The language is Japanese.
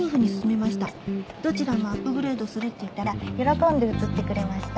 どちらもアップグレードするって言ったら喜んで移ってくれました。